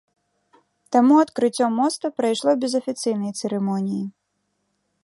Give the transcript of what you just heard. Таму адкрыццё моста прайшло без афіцыйнай цырымоніі.